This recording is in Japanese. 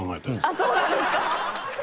あっそうなんですか？